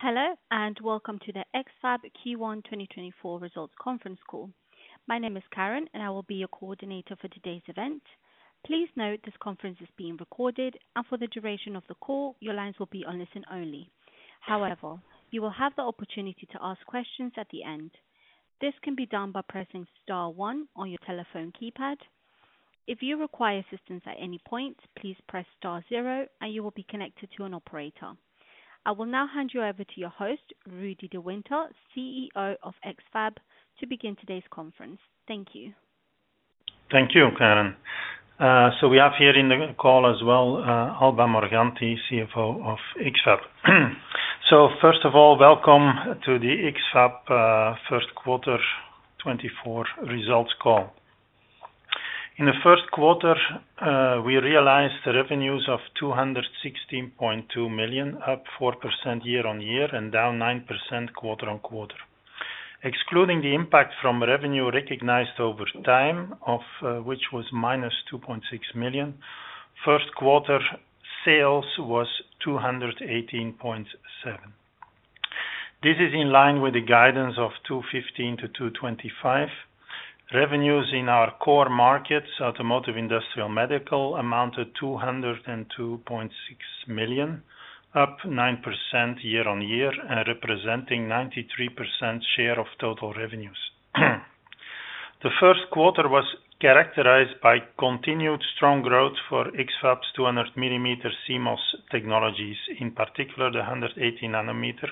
Hello and welcome to the X-FAB Q1 2024 Results Conference Call. My name is Karen, and I will be your coordinator for today's event. Please note this conference is being recorded, and for the duration of the call, your lines will be on listen only. However, you will have the opportunity to ask questions at the end. This can be done by pressing star 1 on your telephone keypad. If you require assistance at any point, please press star 0, and you will be connected to an operator. I will now hand you over to your host, Rudi De Winter, CEO of X-FAB, to begin today's conference. Thank you. Thank you, Karen. So we have here in the call as well Alba Morganti, CFO of X-FAB. So first of all, welcome to the X-FAB First Quarter 2024 Results Call. In the first quarter, we realized revenues of 216.2 million, up 4% year-on-year and down 9% quarter-on-quarter. Excluding the impact from revenue recognized over time, which was minus 2.6 million, first quarter sales was 218.7 million. This is in line with the guidance of 215 million-225 million. Revenues in our core markets, automotive, industrial, medical, amounted 202.6 million, up 9% year-on-year and representing 93% share of total revenues. The first quarter was characterized by continued strong growth for X-FAB's 200 millimeter CMOS technologies, in particular the 180 nanometer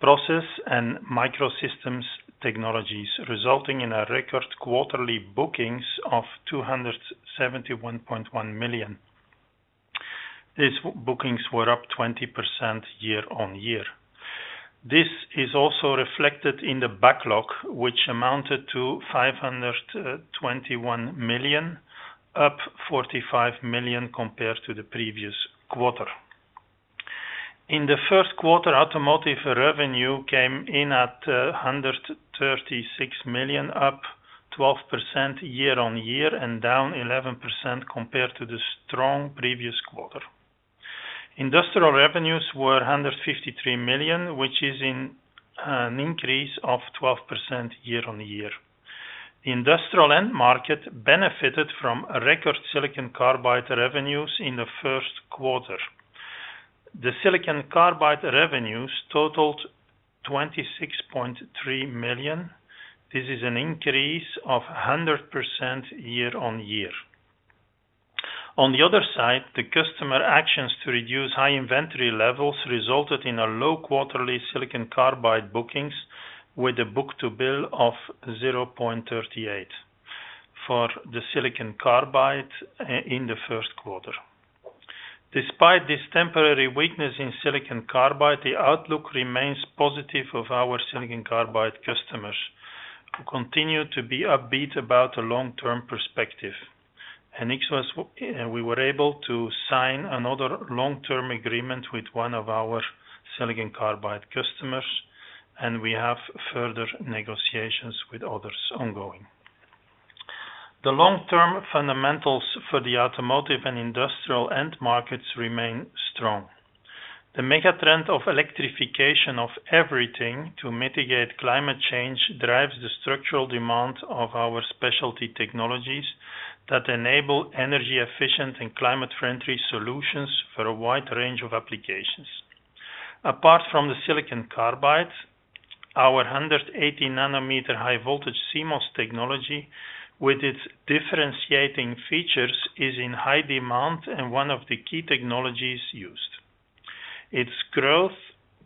process and microsystems technologies, resulting in a record quarterly bookings of 271.1 million. These bookings were up 20% year-on-year. This is also reflected in the backlog, which amounted to 521 million, up 45 million compared to the previous quarter. In the first quarter, automotive revenue came in at 136 million, up 12% year-on-year and down 11% compared to the strong previous quarter. Industrial revenues were 153 million, which is an increase of 12% year-on-year. The industrial end market benefited from record silicon carbide revenues in the first quarter. The silicon carbide revenues totaled 26.3 million. This is an increase of 100% year-on-year. On the other side, the customer actions to reduce high inventory levels resulted in a low quarterly silicon carbide bookings, with a book-to-bill of 0.38 for the silicon carbide in the first quarter. Despite this temporary weakness in silicon carbide, the outlook remains positive of our silicon carbide customers, who continue to be upbeat about a long-term perspective. We were able to sign another long-term agreement with one of our silicon carbide customers, and we have further negotiations with others ongoing. The long-term fundamentals for the automotive and industrial end markets remain strong. The megatrend of electrification of everything to mitigate climate change drives the structural demand of our specialty technologies that enable energy-efficient and climate-friendly solutions for a wide range of applications. Apart from the silicon carbide, our 180-nm high-voltage CMOS technology, with its differentiating features, is in high demand and one of the key technologies used. Its growth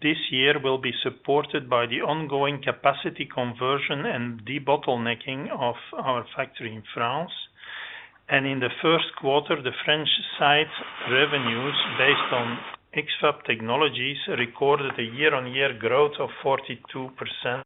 this year will be supported by the ongoing capacity conversion and debottlenecking of our factory in France. In the first quarter, the French site revenues, based on X-FAB technologies, recorded a year-on-year growth of 42%.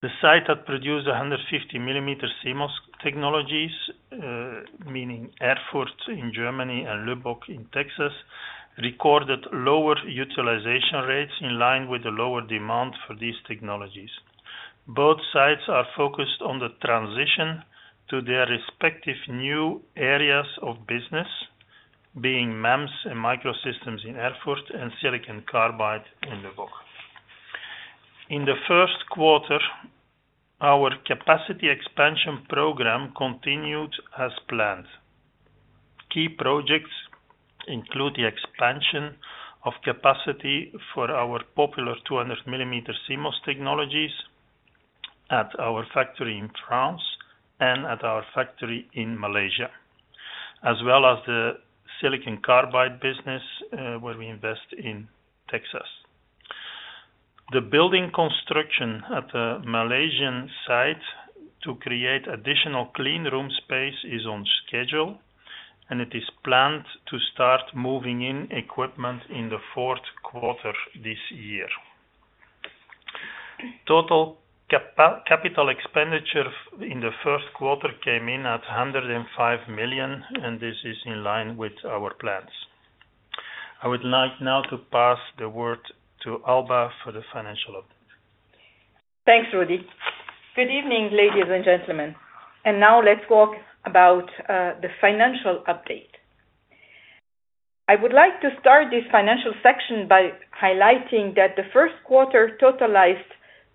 The site that produced 150 millimeter CMOS technologies, meaning Erfurt in Germany and Lubbock in Texas, recorded lower utilization rates in line with the lower demand for these technologies. Both sites are focused on the transition to their respective new areas of business, being MEMS and microsystems in Erfurt and silicon carbide in Lubbock. In the first quarter, our capacity expansion program continued as planned. Key projects include the expansion of capacity for our popular 200 mm CMOS technologies at our factory in France and at our factory in Malaysia, as well as the silicon carbide business where we invest in Texas. The building construction at the Malaysian site to create additional clean room space is on schedule, and it is planned to start moving in equipment in the fourth quarter this year. Total capital expenditure in the first quarter came in at 105 million, and this is in line with our plans. I would like now to pass the word to Alba for the financial update. Thanks, Rudi. Good evening, ladies and gentlemen. And now let's talk about the financial update. I would like to start this financial section by highlighting that the first quarter totaled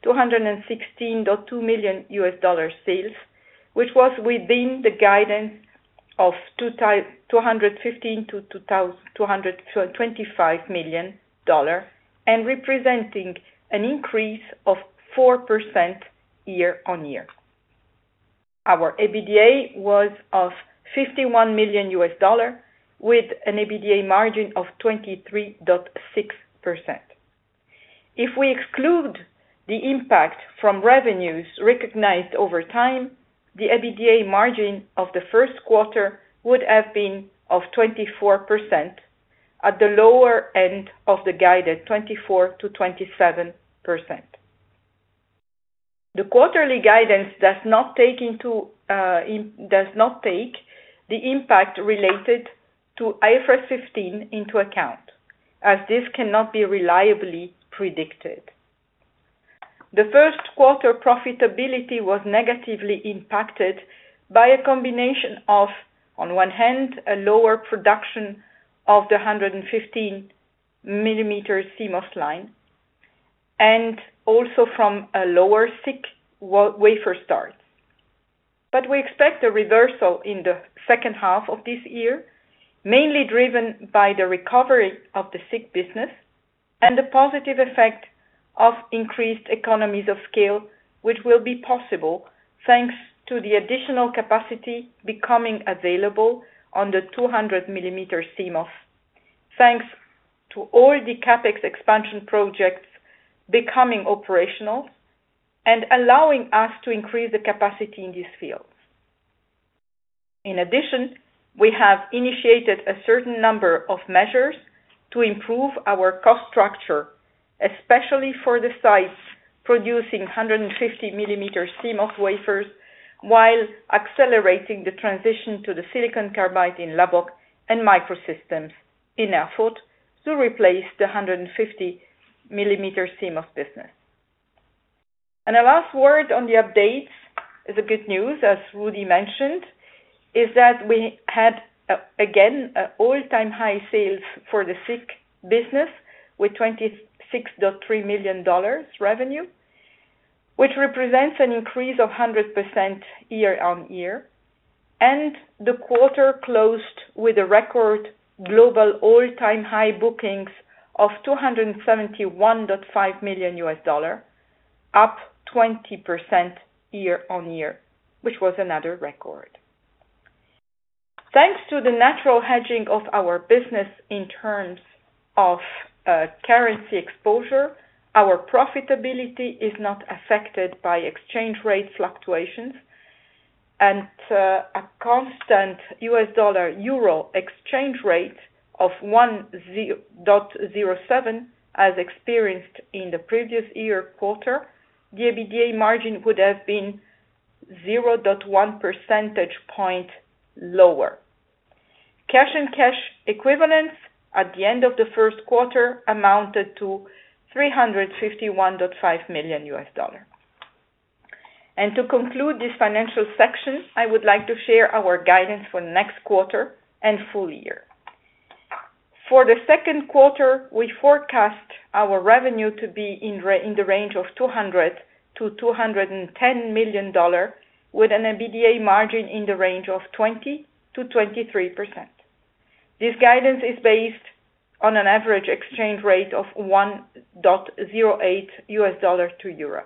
$216.2 million sales, which was within the guidance of $215 million-$225 million and representing an increase of 4% year-over-year. Our EBITDA was of $51 million, with an EBITDA margin of 23.6%. If we exclude the impact from revenues recognized over time, the EBITDA margin of the first quarter would have been of 24%, at the lower end of the guided 24%-27%. The quarterly guidance does not take the impact related to IFRS 15 into account, as this cannot be reliably predicted. The first quarter profitability was negatively impacted by a combination of, on one hand, a lower production of the 150 mm CMOS line, and also from a lower SiC wafer start. But we expect a reversal in the second half of this year, mainly driven by the recovery of the SiC business and the positive effect of increased economies of scale, which will be possible thanks to the additional capacity becoming available on the 200 mm CMOS, thanks to all the CapEx expansion projects becoming operational and allowing us to increase the capacity in this field. In addition, we have initiated a certain number of measures to improve our cost structure, especially for the sites producing 150 mm CMOS wafers, while accelerating the transition to the silicon carbide in Lubbock and microsystems in Erfurt to replace the 150 mm CMOS business. A last word on the updates, as Rudi mentioned, is that we had, again, all-time high sales for the SiC business with $26.3 million revenue, which represents an increase of 100% year-on-year. The quarter closed with a record global all-time high bookings of $271.5 million, up 20% year-on-year, which was another record. Thanks to the natural hedging of our business in terms of currency exposure, our profitability is not affected by exchange rate fluctuations. At a constant U.S. dollar/euro exchange rate of 1.07, as experienced in the previous year quarter, the EBITDA margin would have been 0.1 percentage point lower. Cash and cash equivalents at the end of the first quarter amounted to $351.5 million. To conclude this financial section, I would like to share our guidance for next quarter and full year. For the second quarter, we forecast our revenue to be in the range of $200 million-$210 million, with an EBITDA margin in the range of 20%-23%. This guidance is based on an average exchange rate of 1.08 U.S. dollar to euro.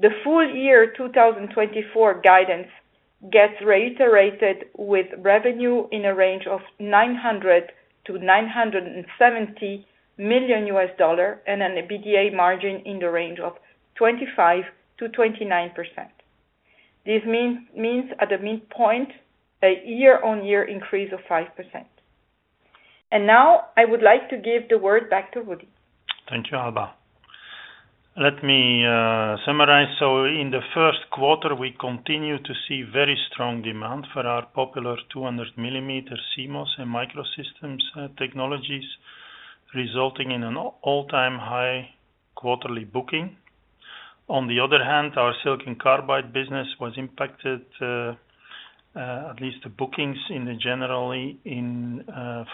The full year 2024 guidance gets reiterated with revenue in a range of $900 million-$970 million and an EBITDA margin in the range of 25%-29%. This means at the midpoint, a year-on-year increase of 5%. Now I would like to give the word back to Rudi. Thank you, Alba. Let me summarize. So in the first quarter, we continue to see very strong demand for our popular 200 millimeter CMOS and microsystems technologies, resulting in an all-time high quarterly booking. On the other hand, our silicon carbide business was impacted, at least the bookings in general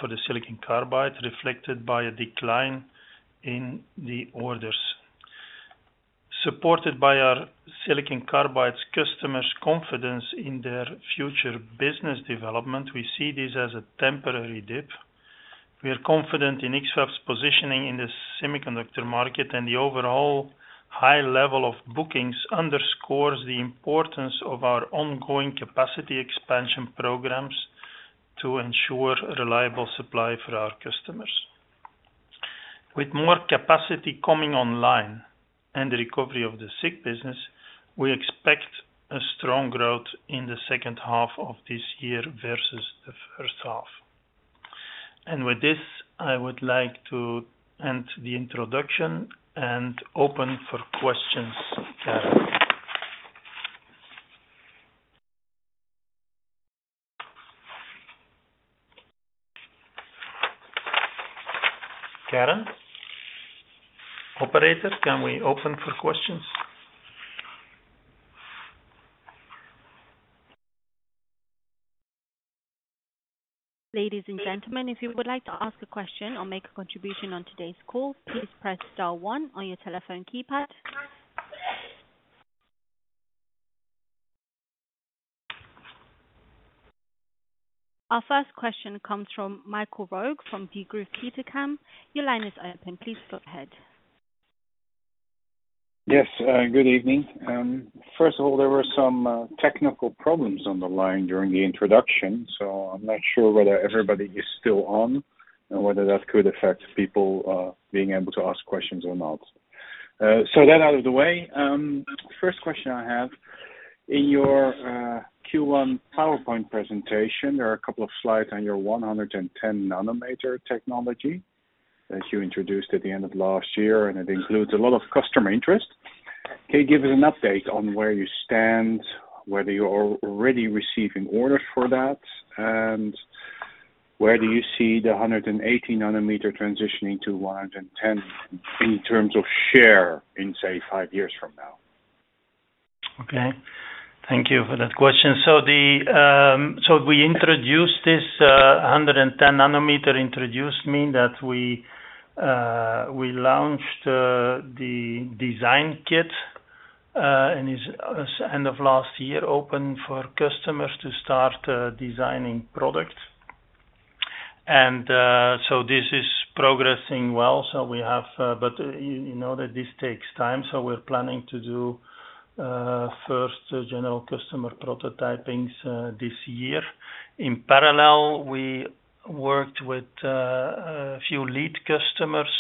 for the silicon carbide, reflected by a decline in the orders. Supported by our silicon carbide's customers' confidence in their future business development, we see this as a temporary dip. We are confident in X-FAB's positioning in the semiconductor market, and the overall high level of bookings underscores the importance of our ongoing capacity expansion programs to ensure reliable supply for our customers. With more capacity coming online and the recovery of the SiC business, we expect a strong growth in the second half of this year versus the first half. With this, I would like to end the introduction and open for questions, Karen. Karen, operator, can we open for questions? Ladies and gentlemen, if you would like to ask a question or make a contribution on today's call, please press star one on your telephone keypad. Our first question comes from Michael Roeg from Degroof Petercam. Your line is open. Please go ahead. Yes. Good evening. First of all, there were some technical problems on the line during the introduction, so I'm not sure whether everybody is still on and whether that could affect people being able to ask questions or not. So that out of the way, first question I have. In your Q1 PowerPoint presentation, there are a couple of slides on your 110-nm technology that you introduced at the end of last year, and it includes a lot of customer interest. Can you give us an update on where you stand, whether you're already receiving orders for that, and where do you see the 180 nm transitioning to 110 in terms of share in, say, five years from now? Okay. Thank you for that question. So we introduced this 110 nm. I mean that we launched the design kit and it is, end of last year, open for customers to start designing products. And so this is progressing well. But you know that this takes time, so we're planning to do first general customer prototypings this year. In parallel, we worked with a few lead customers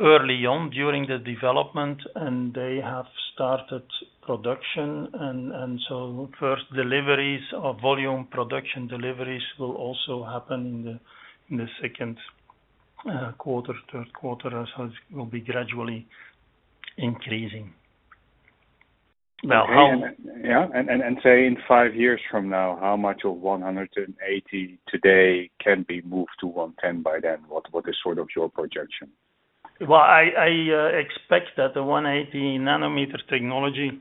early on during the development, and they have started production. And so first deliveries of volume production deliveries will also happen in the second quarter, third quarter, so it will be gradually increasing. Yeah. And say in five years from now, how much of 180 today can be moved to 110 by then? What is sort of your projection? Well, I expect that the 180-nm technology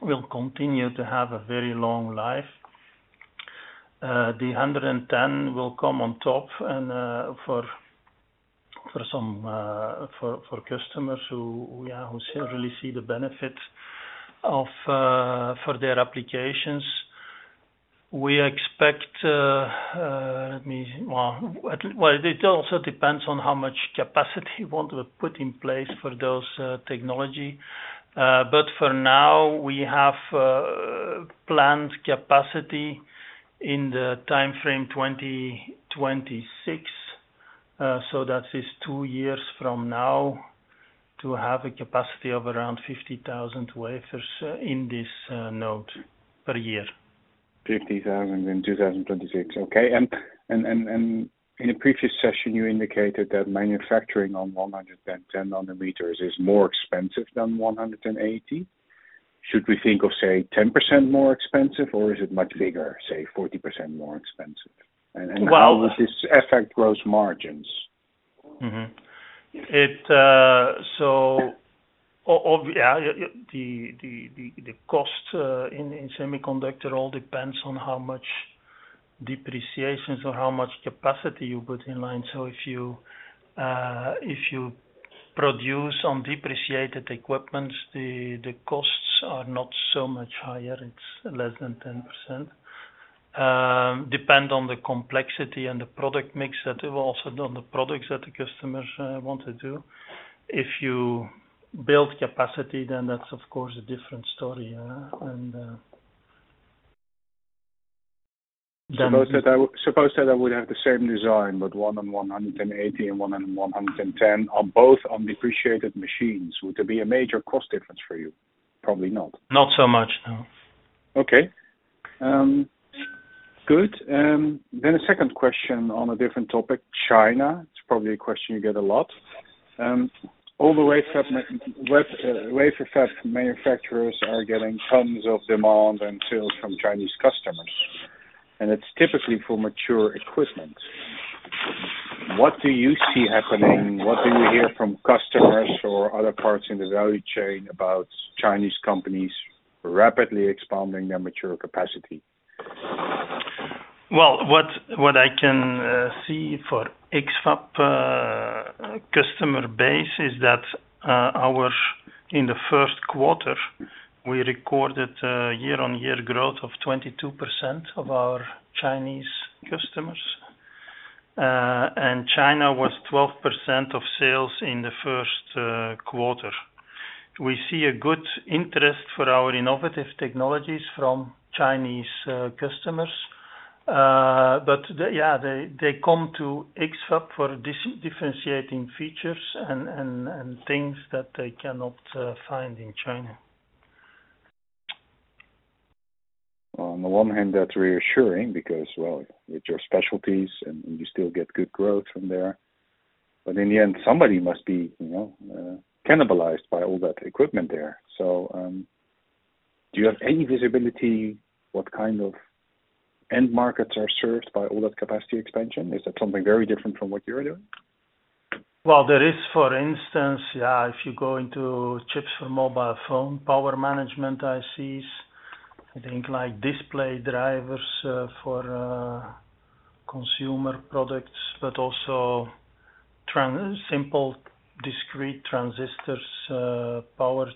will continue to have a very long life. The 110 will come on top for customers who really see the benefit for their applications. We expect, well, it also depends on how much capacity we want to put in place for those technologies. But for now, we have planned capacity in the timeframe 2026. So that is two years from now to have a capacity of around 50,000 wafers in this node per year. 50,000 in 2026. Okay. In a previous session, you indicated that manufacturing on 110 nanometers is more expensive than 180. Should we think of, say, 10% more expensive, or is it much bigger, say, 40% more expensive? And how will this affect gross margins? So yeah, the cost in semiconductor all depends on how much depreciation or how much capacity you put in line. So if you produce on depreciated equipment, the costs are not so much higher. It's less than 10%. Depends on the complexity and the product mix that also on the products that the customers want to do. If you build capacity, then that's, of course, a different story. Suppose that I would have the same design, but one on 180 and one on 110 are both on depreciated machines. Would there be a major cost difference for you? Probably not. Not so much, no. Okay. Good. Then a second question on a different topic, China. It's probably a question you get a lot. All the wafer fab manufacturers are getting tons of demand and sales from Chinese customers, and it's typically for mature equipment. What do you see happening? What do you hear from customers or other parts in the value chain about Chinese companies rapidly expanding their mature capacity? Well, what I can see for X-FAB customer base is that in the first quarter, we recorded a year-on-year growth of 22% of our Chinese customers. China was 12% of sales in the first quarter. We see a good interest for our innovative technologies from Chinese customers. But yeah, they come to X-FAB for differentiating features and things that they cannot find in China. Well, on the one hand, that's reassuring because, well, it's your specialties, and you still get good growth from there. But in the end, somebody must be cannibalized by all that equipment there. So do you have any visibility what kind of end markets are served by all that capacity expansion? Is that something very different from what you're doing? Well, there is, for instance, yeah, if you go into chips for mobile phone, power management ICs, I think display drivers for consumer products, but also simple discrete transistors, power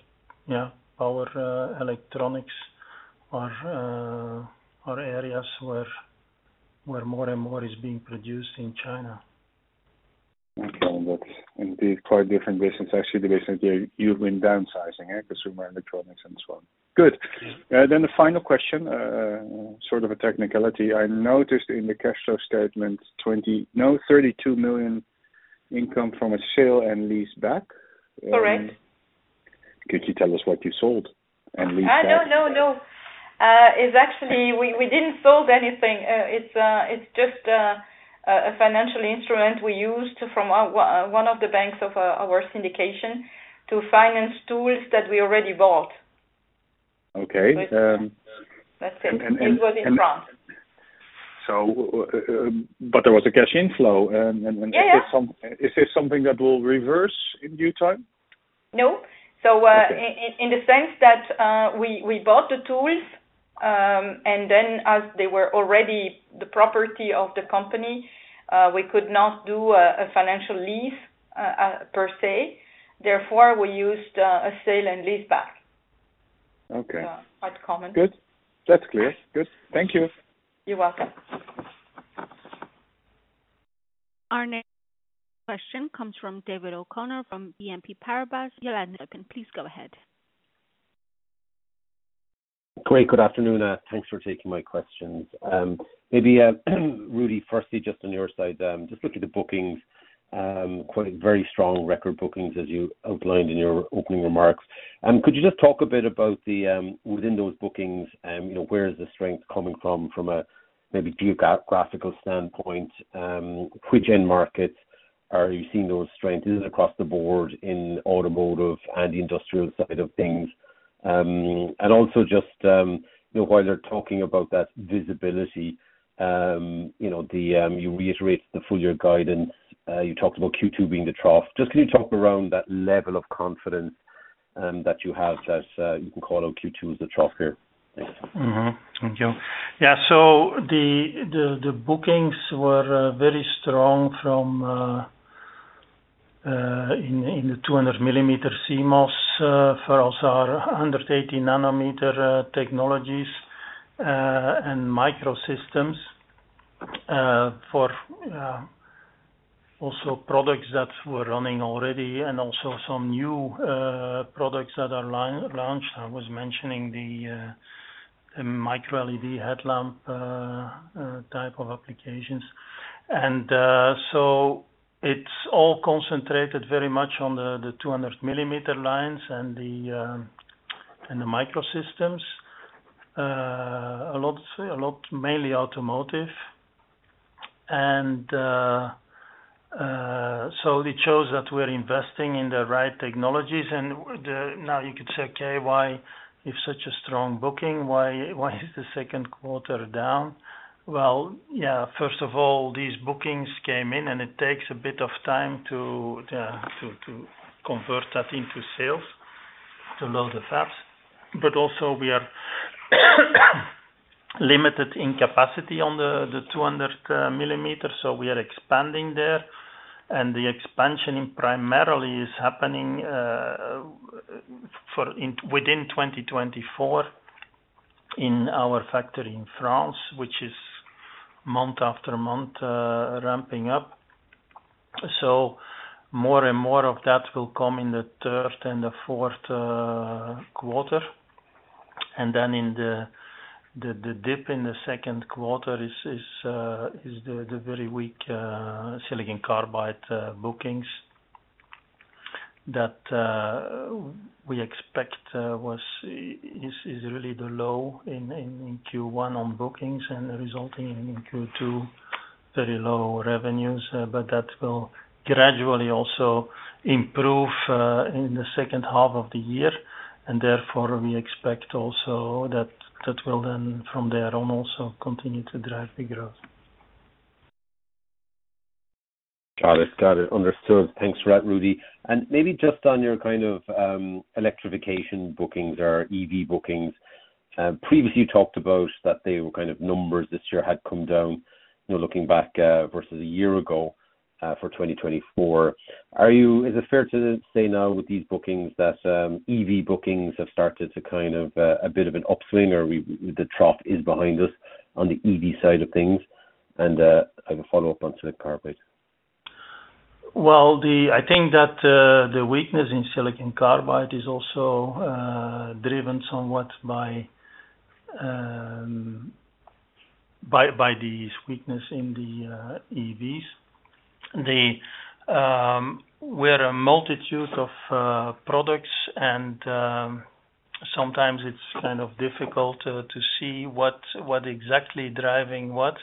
electronics are areas where more and more is being produced in China. Okay. That's indeed quite a different business. Actually, the business here, you've been downsizing, consumer electronics and so on. Good. Then the final question, sort of a technicality. I noticed in the cash flow statement, now, 32 million income from a sale and lease back. Correct. Could you tell us what you sold and leased back? No, no, no. Actually, we didn't sell anything. It's just a financial instrument we used from one of the banks of our syndication to finance tools that we already bought. Okay. That's it. It was in France. There was a cash inflow. Is this something that will reverse in due time? No. So in the sense that we bought the tools, and then as they were already the property of the company, we could not do a financial lease per se. Therefore, we used a sale and lease back. Quite common. Good. That's clear. Good. Thank you. You're welcome. Our next question comes from David O'Connor from BNP Paribas. You're up. Please go ahead. Great. Good afternoon. Thanks for taking my questions. Maybe, Rudi, firstly, just on your side, just looking at the bookings, quite very strong record bookings as you outlined in your opening remarks. Could you just talk a bit about within those bookings, where is the strength coming from, from a maybe geographical standpoint? Which end markets are you seeing those strengths? Is it across the board in automotive and the industrial side of things? And also just while they're talking about that visibility, you reiterate the full year guidance. You talked about Q2 being the trough. Just can you talk around that level of confidence that you have that you can call out Q2 as the trough here? Thanks. Thank you. Yeah. So the bookings were very strong in the 200 mm CMOS for also our 180 nm technologies and microsystems for also products that were running already and also some new products that are launched. I was mentioning the micro-LED headlamp type of applications. And so it's all concentrated very much on the 200 mm lines and the microsystems, a lot mainly automotive. And so it shows that we're investing in the right technologies. And now you could say, "Okay. If such a strong booking, why is the second quarter down?" Well, yeah, first of all, these bookings came in, and it takes a bit of time to convert that into sales to load the fabs. But also, we are limited in capacity on the 200 mm, so we are expanding there. The expansion primarily is happening within 2024 in our factory in France, which is month after month ramping up. More and more of that will come in the third and the fourth quarter. Then, in the dip in the second quarter, is the very weak silicon carbide bookings that we expect is really the low in Q1 on bookings and resulting in Q2 very low revenues. That will gradually also improve in the second half of the year. Therefore, we expect also that will then from there on also continue to drive the growth. Got it. Got it. Understood. Thanks for that, Rudi. And maybe just on your kind of electrification bookings or EV bookings, previously, you talked about that they were kind of numbers this year had come down looking back versus a year ago for 2024. Is it fair to say now with these bookings that EV bookings have started to kind of a bit of an upswing, or the trough is behind us on the EV side of things? And I have a follow-up on silicon carbide. Well, I think that the weakness in silicon carbide is also driven somewhat by this weakness in the EVs. We're a multitude of products, and sometimes it's kind of difficult to see what exactly driving what.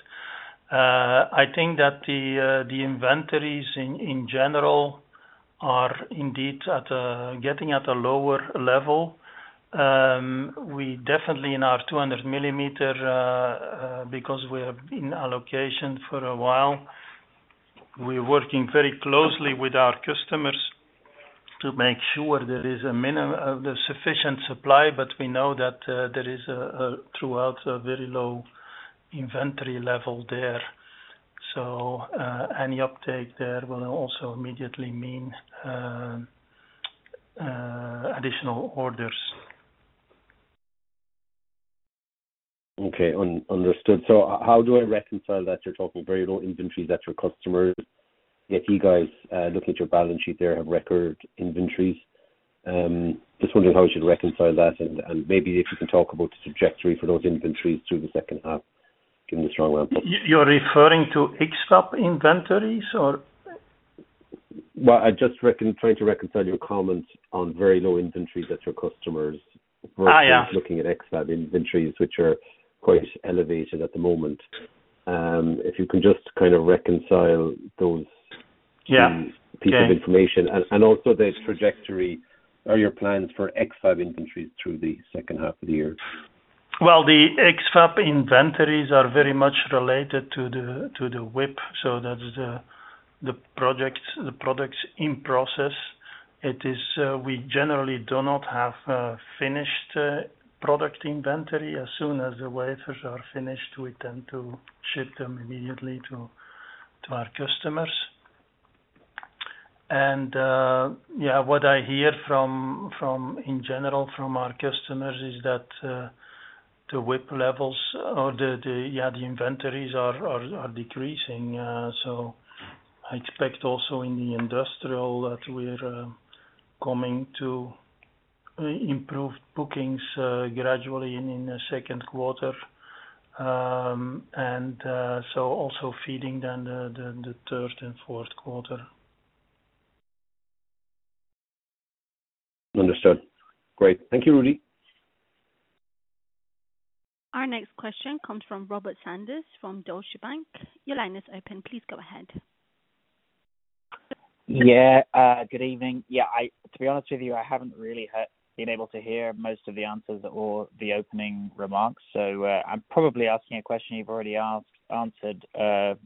I think that the inventories in general are indeed getting at a lower level. We definitely, in our 200 mm, because we have been allocation for a while, we're working very closely with our customers to make sure there is a sufficient supply. But we know that there is throughout a very low inventory level there. So any uptake there will also immediately mean additional orders. Okay. Understood. So how do I reconcile that? You're talking very low inventories that your customers get you guys looking at your balance sheet there have record inventories. Just wondering how we should reconcile that. Maybe if you can talk about the trajectory for those inventories through the second half, given the strong ramp-up. You're referring to X-FAB inventories, or? Well, I'm just trying to reconcile your comments on very low inventories that your customers versus looking at X-FAB inventories, which are quite elevated at the moment. If you can just kind of reconcile those pieces of information and also the trajectory or your plans for X-FAB inventories through the second half of the year. Well, the X-FAB inventories are very much related to the WIP. So that's the products in process. We generally do not have finished product inventory. As soon as the wafers are finished, we tend to ship them immediately to our customers. And yeah, what I hear in general from our customers is that the WIP levels or the inventories are decreasing. So I expect also in the industrial that we're coming to improve bookings gradually in the second quarter and so also feeding then the third and fourth quarter. Understood. Great. Thank you, Rudi. Our next question comes from Robert Sanders from Deutsche Bank. Your line is open. Please go ahead. Yeah. Good evening. Yeah. To be honest with you, I haven't really been able to hear most of the answers or the opening remarks. So I'm probably asking a question you've already answered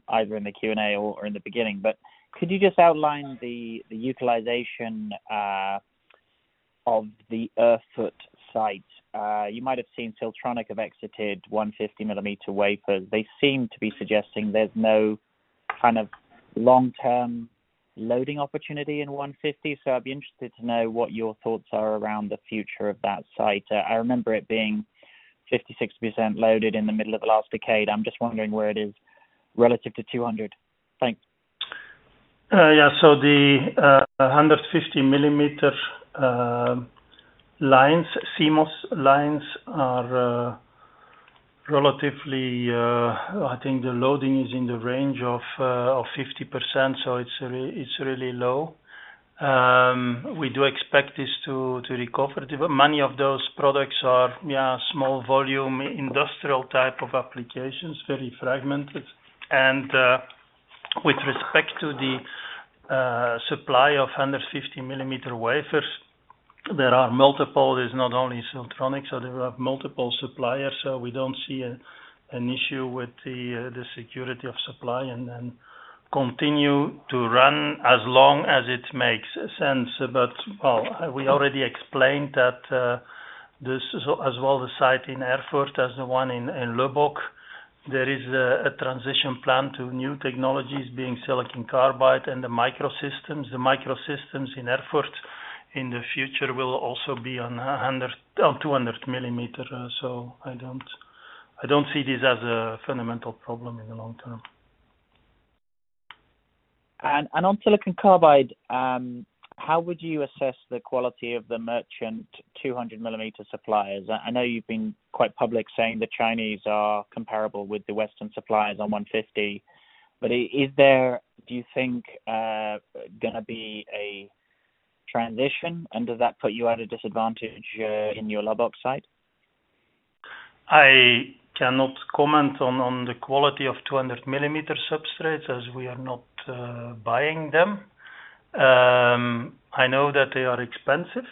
either in the Q&A or in the beginning. But could you just outline the utilization of the Erfurt site? You might have seen Siltronic have exited 150 millimeter wafers. They seem to be suggesting there's no kind of long-term loading opportunity in 150. So I'd be interested to know what your thoughts are around the future of that site. I remember it being 56% loaded in the middle of the last decade. I'm just wondering where it is relative to 200. Thanks. Yeah. So the 150 mm lines, CMOS lines, are relatively I think the loading is in the range of 50%. So it's really low. We do expect this to recover. Many of those products are, yeah, small volume industrial type of applications, very fragmented. And with respect to the supply of 150 mm wafers, there are multiple. There's not only Siltronic. So there are multiple suppliers. So we don't see an issue with the security of supply and then continue to run as long as it makes sense. But well, we already explained that as well the site in Erfurt as the one in Lubbock, there is a transition plan to new technologies being silicon carbide and the microsystems. The microsystems in Erfurt in the future will also be on 200 millimeter. So I don't see this as a fundamental problem in the long term. On silicon carbide, how would you assess the quality of the merchant 200 mm suppliers? I know you've been quite public saying the Chinese are comparable with the Western suppliers on 150. But do you think there's going to be a transition? And does that put you at a disadvantage in your Lubbock site? I cannot comment on the quality of 200 mm substrates as we are not buying them. I know that they are expensive.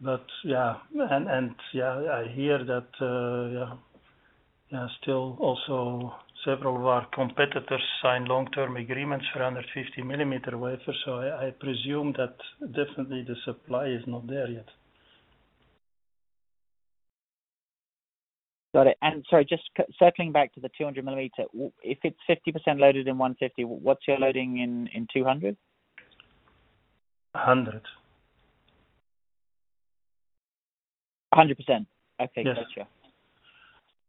But yeah. And yeah, I hear that, yeah, still also several of our competitors sign long-term agreements for 150 mm wafers. So I presume that definitely the supply is not there yet. Got it. And sorry, just circling back to the 200 mm, if it's 50% loaded in 150, what's your loading in 200? 100. 100%. Okay. Got you. Is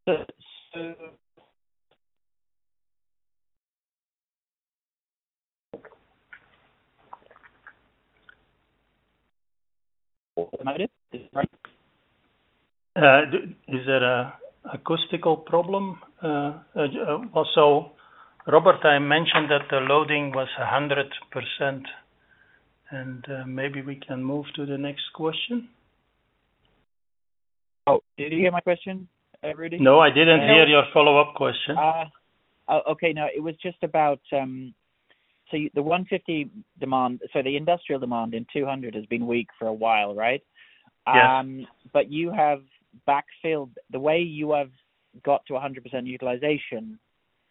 that right? Is there an acoustical problem? Robert, I mentioned that the loading was 100%. Maybe we can move to the next question. Did you hear my question, Rudi? No, I didn't hear your follow-up question. Okay. No, it was just about so the 150 demand so the industrial demand in 200 has been weak for a while, right? But you have backfilled the way you have got to 100% utilization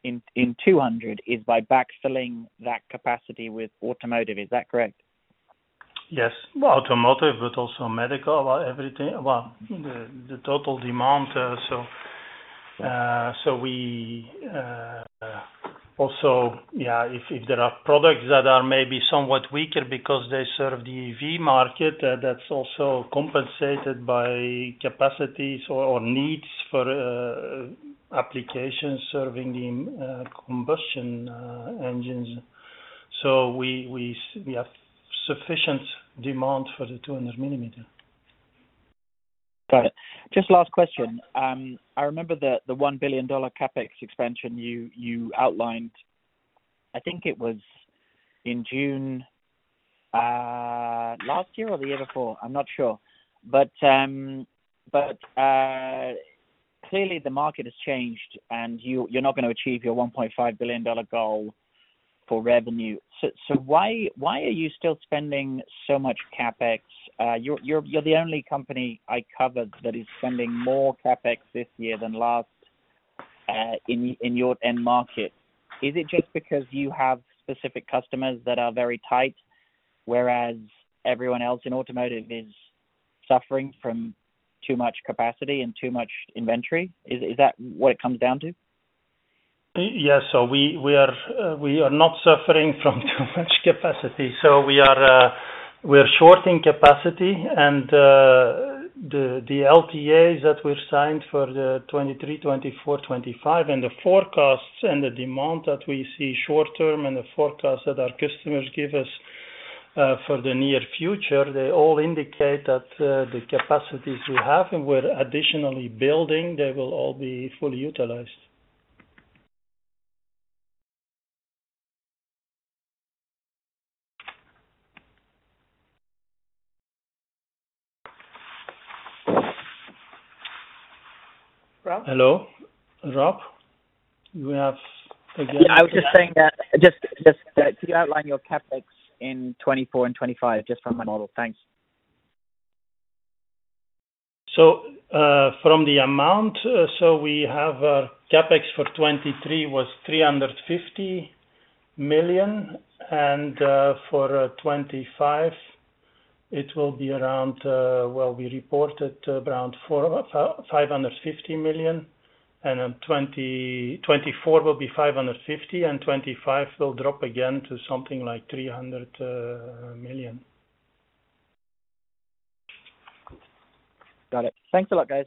in 200 is by backfilling that capacity with automotive. Is that correct? Yes. Well, automotive, but also medical, everything. Well, the total demand. So also, yeah, if there are products that are maybe somewhat weaker because they serve the EV market, that's also compensated by capacities or needs for applications serving the combustion engines. So we have sufficient demand for the 200 mm. Got it. Just last question. I remember the $1 billion CapEx expansion you outlined. I think it was in June last year or the year before. I'm not sure. But clearly, the market has changed, and you're not going to achieve your $1.5 billion goal for revenue. So why are you still spending so much CapEx? You're the only company I covered that is spending more CapEx this year than last in your end market. Is it just because you have specific customers that are very tight, whereas everyone else in automotive is suffering from too much capacity and too much inventory? Is that what it comes down to? Yes. So we are not suffering from too much capacity. So we are short on capacity. And the LTAs that we're signed for the 2023, 2024, 2025, and the forecasts and the demand that we see short-term and the forecasts that our customers give us for the near future, they all indicate that the capacities we have and we're additionally building, they will all be fully utilized. Rob? Hello? Rob? You have again? Yeah. I was just saying that just can you outline your CapEx in 2024 and 2025 just from my model? Thanks. So from the amount, so we have our CapEx for 2023 was 350 million. And for 2025, it will be around well, we reported around 550 million. And 2024 will be 550 million, and 2025 will drop again to something like 300 million. Got it. Thanks a lot, guys.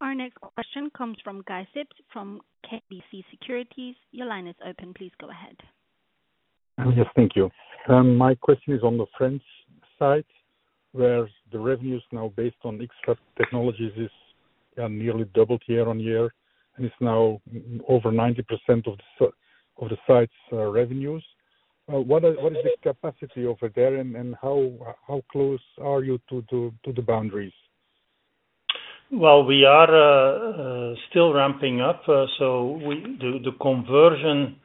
Our next question comes from Guy Sips from KBC Securities. Your line is open. Please go ahead. Yes. Thank you. My question is on the France side, where the revenues now based on X-FAB Technologies is nearly doubled year-on-year, and it's now over 90% of the site's revenues. What is the capacity over there, and how close are you to the boundaries? Well, we are still ramping up. So the conversion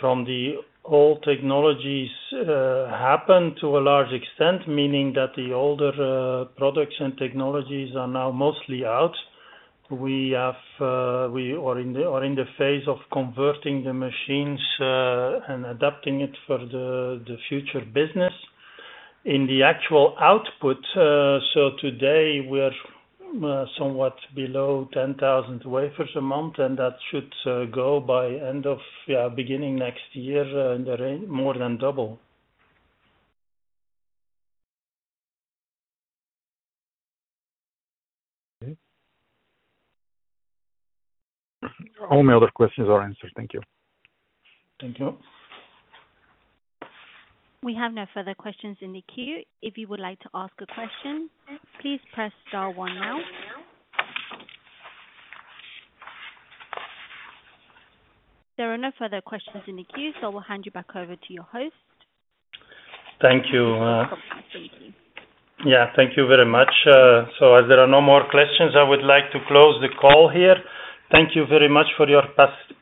from the old technologies happened to a large extent, meaning that the older products and technologies are now mostly out. We are in the phase of converting the machines and adapting it for the future business. In the actual output, so today, we're somewhat below 10,000 wafers a month, and that should go by end of beginning next year in the range more than double. All my other questions are answered. Thank you. Thank you. We have no further questions in the queue. If you would like to ask a question, please press star one now. There are no further questions in the queue, so I will hand you back over to your host. Thank you. No problem. Thank you. Yeah. Thank you very much. As there are no more questions, I would like to close the call here. Thank you very much for your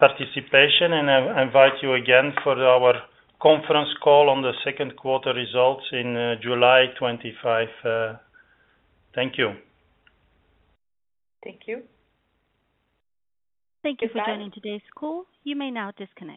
participation, and I invite you again for our conference call on the Second Quarter Results in July 2025. Thank you. Thank you. Thank you for joining today's call. You may now disconnect.